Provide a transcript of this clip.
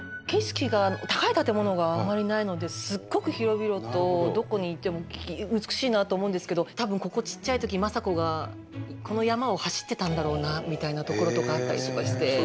景色が高い建物があまりないのですごく広々とどこに行っても美しいなと思うんですけどたぶんここちっちゃいとき政子がこの山を走ってたんだろうなみたいな所とかあったりとかして。